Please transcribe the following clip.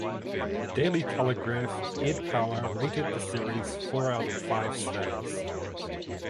The Daily Telegraph Ed Power rated the series four out of five stars.